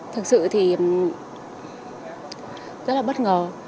thực sự thì rất là bất ngờ